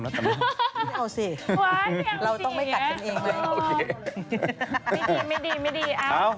ไม่เอาสิเราต้องไม่กัดกันเองเลยโอเคไม่ดีเอา